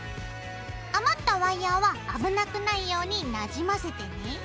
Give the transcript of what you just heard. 余ったワイヤーは危なくないようになじませてね。